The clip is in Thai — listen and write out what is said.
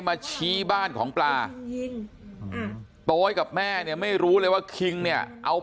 มาชี้บ้านของปลาโต๊ยกับแม่เนี่ยไม่รู้เลยว่าคิงเนี่ยเอา